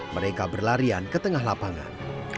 mereka berlarian ke tengah lapangan